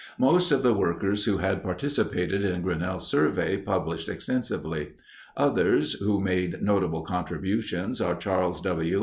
Most of the workers who had participated in Grinnell's survey published extensively. Others who made notable contributions are Charles W.